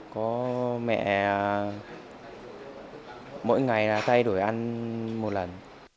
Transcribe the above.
có mẹ mỗi ngày thay đổi ăn một lần